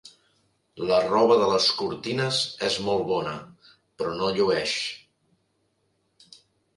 La roba de les cortines és molt bona, però no llueix.